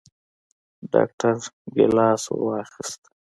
ډاکتر ګېلاس ورواخيست.